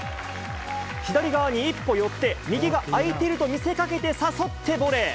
左側に一歩寄って、右が空いてると見せかけて誘ってボレー。